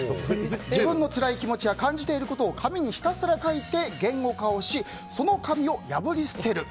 自分のつらい気持ちや感じていることを紙にひたすら書いて言語化をしその紙を破り捨てる。